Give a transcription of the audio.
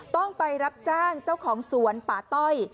ต้องไปรับจ้างเจ้าของสวนป่าต้อย